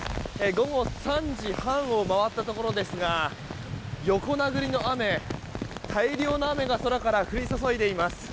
午後３時半を回ったところですが横殴りの雨、大量の雨が空から降り注いでいます。